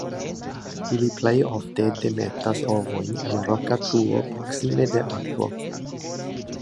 Ili plej ofte demetas ovojn en roka truo proksime de akvo.